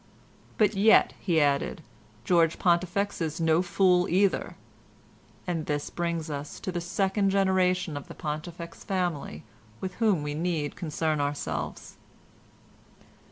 "But yet," he added, "George Pontifex is no fool either." And this brings us to the second generation of the Pontifex family with whom we need concern ourselves.